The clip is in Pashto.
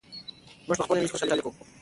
موږ په خپلو ملي ورځو خوشالي کوو.